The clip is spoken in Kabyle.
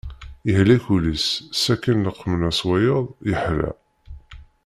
Yehlek ul-is sakin leqmen-as wayeḍ yeḥla.